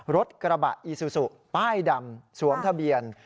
รถกระบะอีซูซูป้ายดำสวมทะเบียน